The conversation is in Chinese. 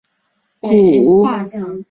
你才十二岁，你懂什么炒股？